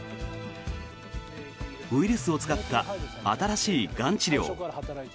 ウイルスを使った新しいがん治療。